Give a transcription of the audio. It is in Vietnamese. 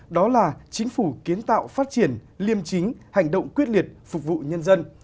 đó là chính phủ kiến tạo phát triển liêm chính hành động quyết liệt phục vụ nhân dân